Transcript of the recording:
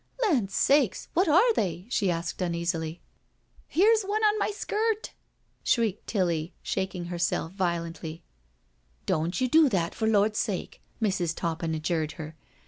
"Land's sakesi What are they?" she asked uneasily. " Here's one on my skirt," shrieked Tilly, shaking herself violently, " Doan' you do that for Lord's sake," Mrs. Toppin adjured her.